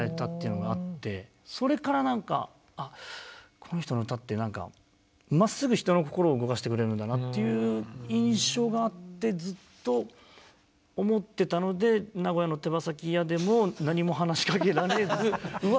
この人の歌って何かまっすぐ人の心を動かしてくれるんだなっていう印象があってずっと思ってたので名古屋の手羽先屋でも何も話しかけられずうわ